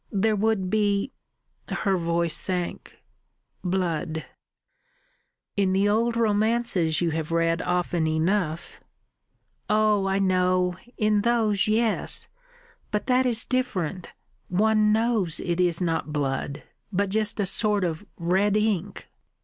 There would be" her voice sank, "blood." "In the old romances you have read often enough ..." "Oh, I know: in those yes. But that is different. One knows it is not blood, but just a sort of red ink....